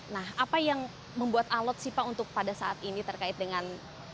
nah apa yang membuat alat sipa untuk pada saat ini terkait dengan